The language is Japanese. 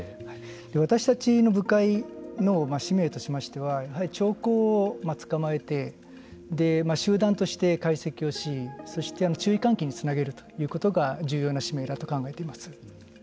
私たちの部会の使命としましてはやはり兆候をつかまえて集団として解析をしそして注意喚起につなげるということが重要な使命だと考えています。